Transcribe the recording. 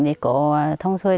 để có thông xuôi